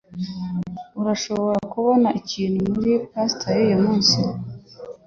Urashobora kubona ikintu muri posita uyumunsi